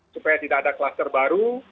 supaya tidak ada kluster baru